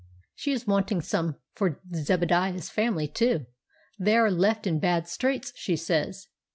"She is wanting some for Zebadiah's family too; they are left in bad straits, she says.